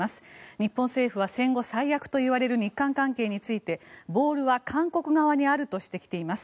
日本政府は戦後最悪といわれる日韓関係についてボールは韓国側にあるとしてきています。